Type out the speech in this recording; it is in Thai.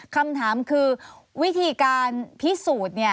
คำถามคือวิธีการพิสูจน์